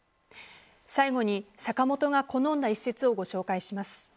最後に坂本が好んだ一節をご紹介します。